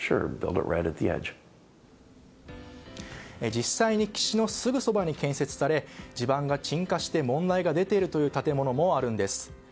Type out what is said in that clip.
実際に岸のすぐそばに建設され地盤が沈下して問題が出ているという建物もあるんです。